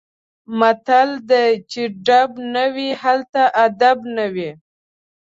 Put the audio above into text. متل دی: چې ډب نه وي هلته ادب نه وي.